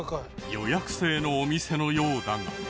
予約制のお店のようだが。